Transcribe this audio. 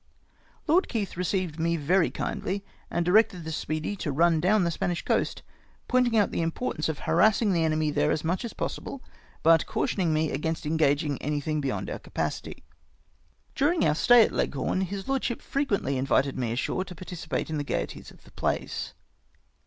'" Lord Keith received me very kindly, and directed the Speedy to run down the Spanish coast, pointing out the importance of harassing the enemy there as much as possible, but cautioning me against engagmg anything beyond our capacity. During our stay at Leghorn, his lordship frequently invited me ashore to participate m the gaieties of the place.